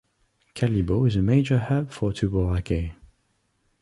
Kalibo is the major hub for to Boracay.